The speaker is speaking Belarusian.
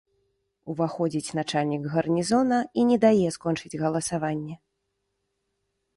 Уваходзіць начальнік гарнізона і не дае скончыць галасаванне.